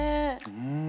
うん。